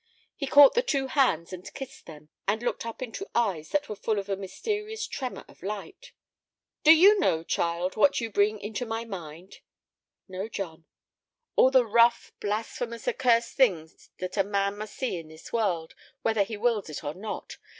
He caught the two hands and kissed them, and looked up into eyes that were full of a mysterious tremor of light. "Do you know, child, what you bring into my mind?" "No, John." "All the rough, blasphemous, accursed things that a man must see in this world, whether he wills it or not.